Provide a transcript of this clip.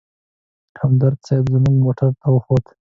همدرد صیب زموږ موټر ته وختو.